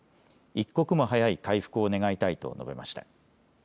一刻も早い回復を願いたいと述べました。